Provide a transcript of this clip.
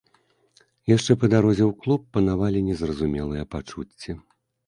Яшчэ па дарозе ў клуб панавалі незразумелыя пачуцці.